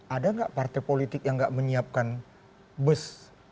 ada nggak partai politik yang nggak menyiapkan bus